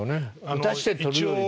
打たせて取るよりも。